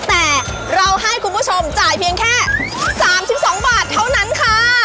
แต่เราให้คุณผู้ชมจ่ายเพียงแค่๓๒บาทเท่านั้นค่ะ